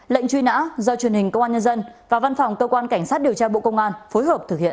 lệnh truy nã do truyền hình công an nhân dân và văn phòng cơ quan cảnh sát điều tra bộ công an phối hợp thực hiện